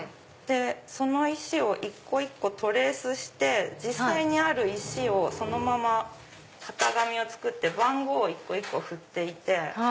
その石を一個一個トレースして実際にある石をそのまま型紙を作って番号を一個一個ふっていて。